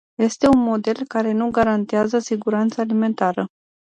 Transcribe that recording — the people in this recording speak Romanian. Este un model care nu garantează siguranța alimentară.